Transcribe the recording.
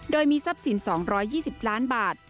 โดยมีทรัพย์สิน๒๒๐ล้านบาท